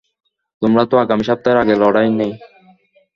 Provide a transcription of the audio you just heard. তোমার তো আগামী সপ্তাহের আগে লড়াই নেই।